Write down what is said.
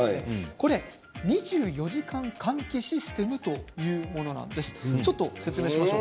これ２４時間換気システムというものなんです。